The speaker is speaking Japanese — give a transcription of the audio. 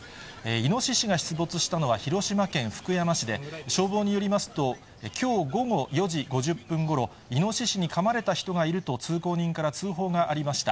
イノシシが出没したのは広島県福山市で、消防によりますと、きょう午後４時５０分ごろ、イノシシにかまれた人がいると通行人から通報がありました。